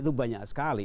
itu banyak sekali